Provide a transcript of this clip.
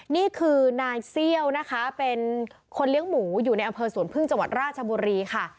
นี่คือนายเซี่ยวนะคะเป็นคนเลี้ยงหมูอยู่ในอำเภอสวนพึ่งจังหวัดราชบุรีค่ะ